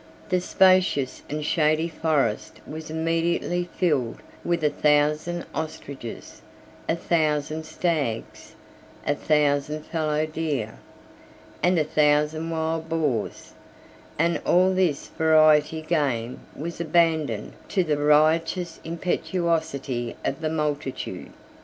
The spacious and shady forest was immediately filled with a thousand ostriches, a thousand stags, a thousand fallow deer, and a thousand wild boars; and all this variety of game was abandoned to the riotous impetuosity of the multitude.